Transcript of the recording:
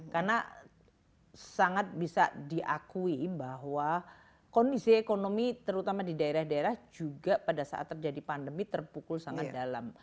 karena sangat bisa diakui bahwa kondisi ekonomi terutama di daerah daerah juga pada saat terjadi pandemi terpukul sangat dalam